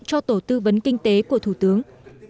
cho tổ tư vấn kinh tế của thủ tướng